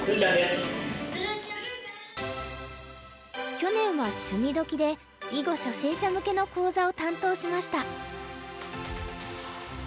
去年は「趣味どきっ！」で囲碁初心者向けの講座を担当しました。